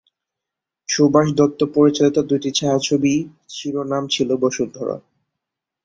সুভাষ দত্ত পরিচালিত এই ছায়াছবিটির শিরোনাম ছিল বসুন্ধরা।